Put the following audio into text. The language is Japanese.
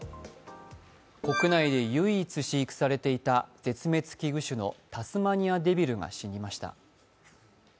国内で唯一飼育されていた絶滅危惧種のタスマニアデビルが死にました。